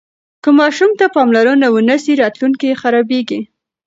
که ماشوم ته پاملرنه ونه سي راتلونکی یې خرابیږي.